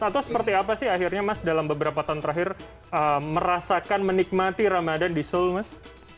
atau seperti apa sih akhirnya mas dalam beberapa tahun terakhir merasakan menikmati ramadan di seoul mas